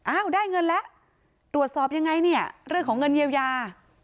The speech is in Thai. ได้เงินแล้วตรวจสอบยังไงเนี่ยเรื่องของเงินเยียวยา